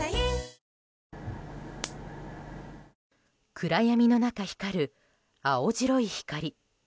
暗闇の中、光る青白い光。